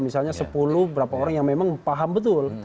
misalnya sepuluh berapa orang yang memang paham betul